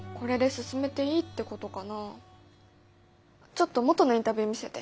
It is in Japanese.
ちょっと元のインタビュー見せて。